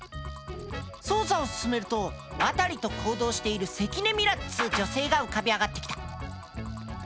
捜査を進めると渡と行動している関根ミラっつう女性が浮かび上がってきた。